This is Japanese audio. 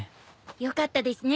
よかったですね。